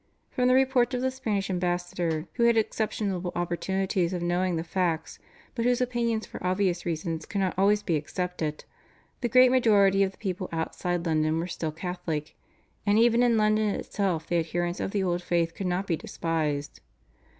From the reports of the Spanish ambassador, who had exceptional opportunities of knowing the facts but whose opinions for obvious reasons cannot always be accepted, the great majority of the people outside London were still Catholic, and even in London itself the adherents of the old faith could not be despised.